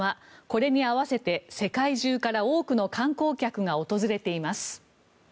これに合わせて世界中から多くの観光客が訪れています。